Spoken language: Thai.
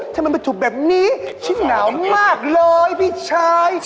ทำไมมาถูกแบบนี้ฉันหนาวมากเลยพี่ชาย